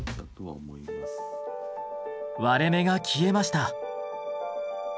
割れ目が消えました。